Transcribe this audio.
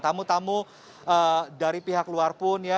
tamu tamu dari pihak luar pun ya